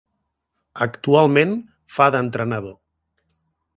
Actualment fa d'entrenador.